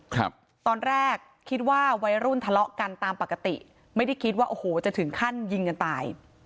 ครับตอนแรกคิดว่าวัยรุ่นทะเลาะกันตามปกติไม่ได้คิดว่าโอ้โหจะถึงขั้นยิงกันตาย